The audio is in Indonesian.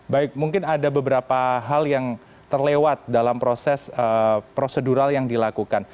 baik mungkin ada beberapa hal yang terlewat dalam proses prosedural yang dilakukan